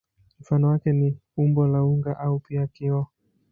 Mfano wake ni umbo la unga au pia kioo.